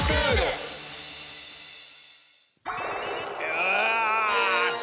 よし！